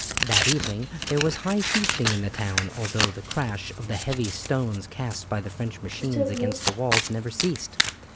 That evening there was high feasting in the town, although the crash of the heavy stones cast by the French machines against the walls never ceased.